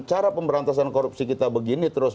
cara pemberantasan korupsi kita begini terus